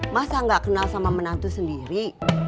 masa gak kenal sama menantu sendiri